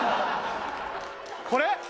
これ？